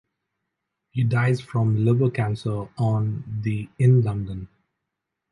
He dies from liver cancer on the in London.